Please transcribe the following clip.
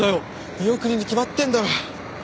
見送りに決まってんだろ。